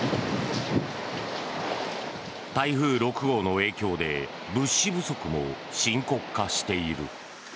台風６号の影響で物資不足も深刻化している。